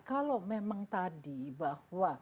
kalau memang tadi bahwa